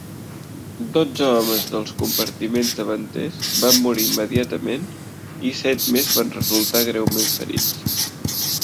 Dotze homes dels compartiments davanters van morir immediatament i set més van resultar greument ferits.